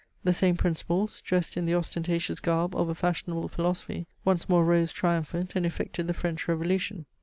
The same principles, dressed in the ostentatious garb of a fashionable philosophy, once more rose triumphant and effected the French revolution.